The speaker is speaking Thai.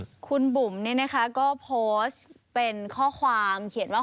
คุณบุ๋มเนี่ยนะคะก็โพสต์เป็นข้อความเขียนว่า